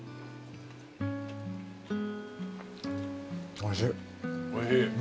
おいしい。